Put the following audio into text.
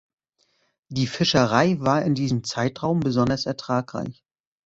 Die Fischerei war in diesem Zeitraum besonders ertragreich.